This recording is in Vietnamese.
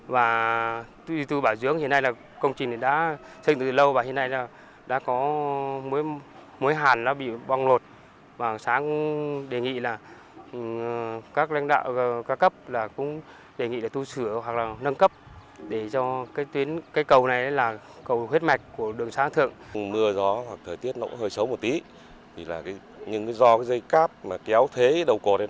mưa gió hoặc thời tiết nó hơi xấu một tí nhưng do dây cáp kéo thế đầu cột